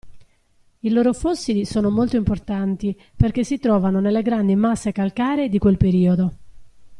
I loro fossili sono molto importanti perché si trovano nelle grandi masse calcaree di quel periodo.